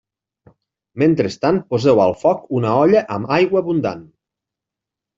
Mentrestant poseu al foc una olla amb aigua abundant.